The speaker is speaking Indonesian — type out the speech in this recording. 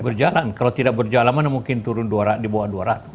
berjalan kalau tidak berjalan mungkin dibawah dua ratus